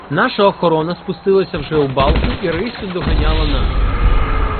Наша охорона спустилася вже у балку і риссю доганяла нас.